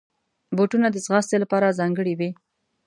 بوټونه د ځغاستې لپاره ځانګړي وي.